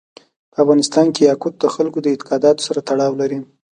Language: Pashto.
په افغانستان کې یاقوت د خلکو د اعتقاداتو سره تړاو لري.